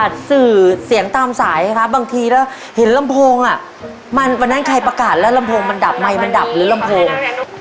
เสียงมันเยี่ยมไปอ่ะลูก